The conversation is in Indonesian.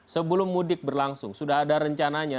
sebelum mudik berlangsung sudah ada rencananya